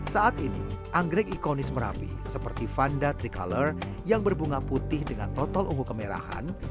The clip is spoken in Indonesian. saat ini anggrek ikonis merapi seperti vanda tricolor yang berbunga putih dengan total ungu kemerahan